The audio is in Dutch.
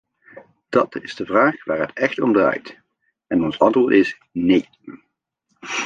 Dat is de vraag waar het echt om draait, en ons antwoord is: nee.